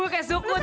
tuh kena kan